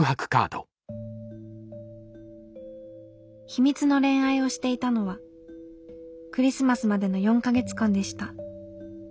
「秘密の恋愛をしていたのはクリスマスまでの４か月間でした。